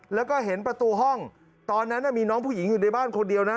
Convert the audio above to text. แล้วก็เห็นประตูห้องตอนนั้นมีน้องผู้หญิงอยู่ในบ้านคนเดียวนะ